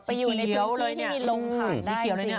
ไปอยู่ในพื้นที่มีลงผ่านได้จริง